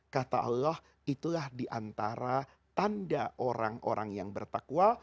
kata allah itulah diantara tanda orang orang yang bertakwa